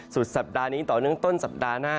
สุดสัปดาห์นี้ต่อเนื่องต้นสัปดาห์หน้า